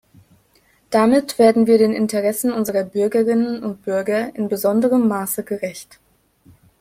Damit werden wir den Interessen unserer Bürgerinnen und Bürger in besonderem Maße gerecht.